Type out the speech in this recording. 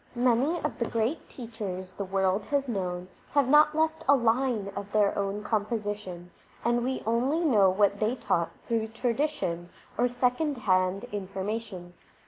Many of the great teachers the world has known have not left a line of their own composition, and we only know what they taught through tradition or second hand informa tion.